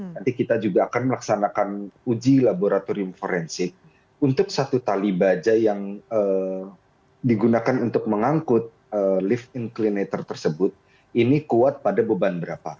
nanti kita juga akan melaksanakan uji laboratorium forensik untuk satu tali baja yang digunakan untuk mengangkut lift inclinator tersebut ini kuat pada beban berapa